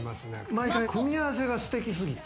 毎回組み合わせがステキすぎて。